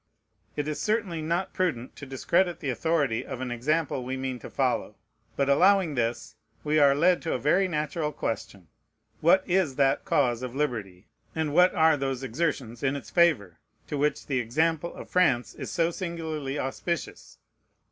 It is certainly not prudent to discredit the authority of an example we mean to follow. But allowing this, we are led to a very natural question: What is that cause of liberty, and what are those exertions in its favor, to which the example of France is so singularly auspicious?